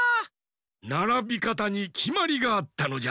ならびかたにきまりがあったのじゃ。